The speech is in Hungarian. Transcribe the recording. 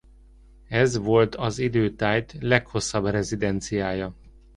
Ez volt az idő tájt leghosszabb rezidenciája.